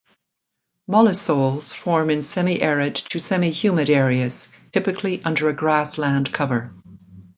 Mollisols form in semi-arid to semi-humid areas, typically under a grassland cover.